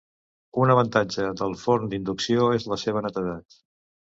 Un avantatge del forn d'inducció és la seva netedat.